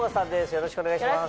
よろしくお願いします。